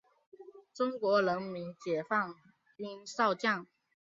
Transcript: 中国人民解放军少将。